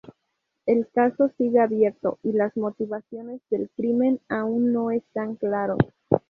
El caso sigue abierto, y las motivaciones del crimen aún no están claros.